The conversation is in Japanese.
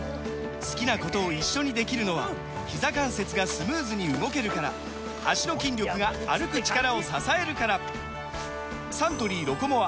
好きなことを一緒にできるのはひざ関節がスムーズに動けるから脚の筋力が歩く力を支えるからサントリー「ロコモア」！